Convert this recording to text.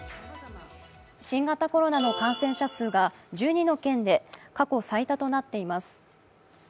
新型コロナの感染者数が１２の県で過去最多となっています。